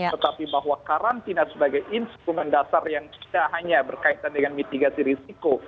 tetapi bahwa karantina sebagai instrumen dasar yang tidak hanya berkaitan dengan mitigasi risiko